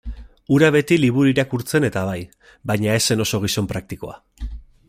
Hura beti liburu irakurtzen-eta bai, baina ez oso gizon praktikoa.